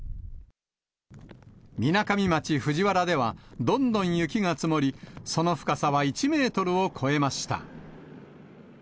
みなかみ町藤原では、どんどん雪が積もり、その深さは１メートルを超えました。